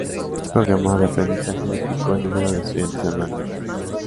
Este programa de aprendizaje duplicó el número de estudiantes anualmente.